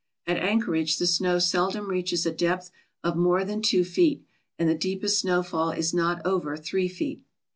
At Anchorage the snow seldom reaches a depth of more than two feet and the deepest snowfall is not over three feet.